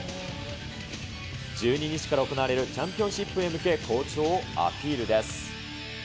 １２日から行われるチャンピオンシップへ向け、好調をアピールです。